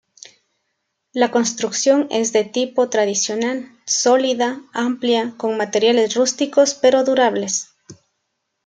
La construcción es de tipo tradicional: sólida, amplia, con materiales rústicos pero durables.